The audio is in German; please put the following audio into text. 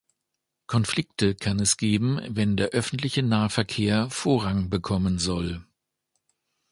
Konflikte kann es geben, wenn der öffentliche Nahverkehr Vorrang bekommen soll.